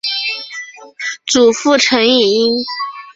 祖父陈尹英。